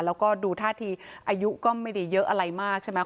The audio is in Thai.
แล้วก็ดูท่าทีอายุก็ไม่ได้เยอะอะไรมากใช่ไหม